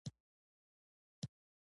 دې سره نعماني صاحب په چورت کښې ډوب سو.